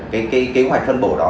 cái kế hoạch phân bổ đó